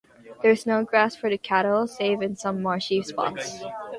There is no grass for the cattle save in some marshy spots.